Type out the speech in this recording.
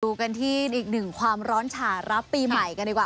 ดูกันที่อีกหนึ่งความร้อนฉารับปีใหม่กันดีกว่า